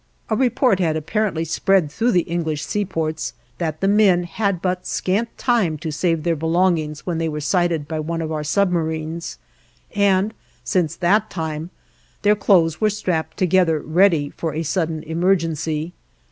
A report had apparently spread through the English seaports that the men had but scant time to save their belongings when they were sighted by one of our submarines, and since that time their clothes were strapped together ready for a sudden emergency.